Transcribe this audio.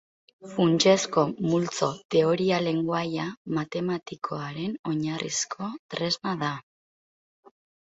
Funtsezko multzo-teoria lengoaia matematikoaren oinarrizko tresna da.